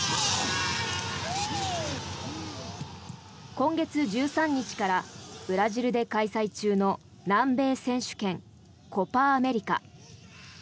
今月１３日からブラジルで開催中の南米選手権、コパ・アメリカ。